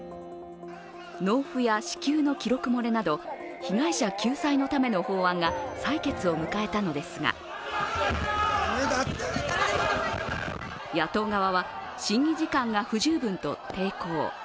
納付や支給の記録漏れなど被害者救済のための法案が採決を迎えたのですが野党側は、審議時間が不十分と抵抗。